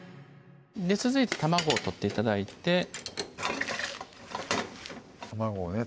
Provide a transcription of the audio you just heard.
続いて卵を取って頂いて卵をね